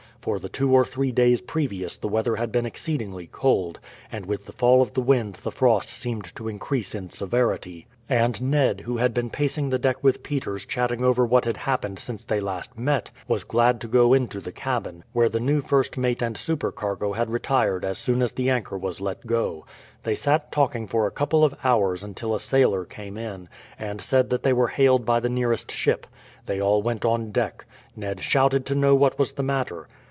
For the two or three days previous the weather had been exceedingly cold, and with the fall of the wind the frost seemed to increase in severity, and Ned, who had been pacing the deck with Peters chatting over what had happened since they last met, was glad to go into the cabin, where the new first mate and supercargo had retired as soon as the anchor was let go. They sat talking for a couple of hours until a sailor came in, and said that they were hailed by the nearest ship. They all went on deck. Ned shouted to know what was the matter.